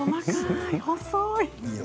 細い！